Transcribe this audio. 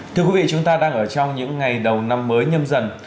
thưa quý vị chúng ta đang ở trong những ngày đầu năm mới nhâm dần